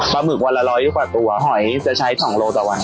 ปลาหมึกวันละ๑๐๐บาทกว่าตัวหอยจะใช้๒โลต่อวัน